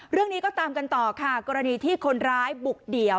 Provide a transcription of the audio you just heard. เรื่องนี้ก็ตามกันต่อค่ะกรณีที่คนร้ายบุกเดี่ยว